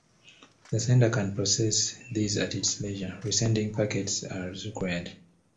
The sender can process these at its leisure, re-sending packets as required.